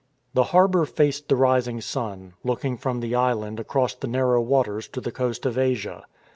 The harbour faced the rising sun, looking from the island across the narrow waters to the coast of Asia.